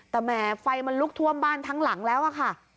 แต่แหมไฟมันลุกท่วมบ้านทั้งหลังแล้วอะค่ะ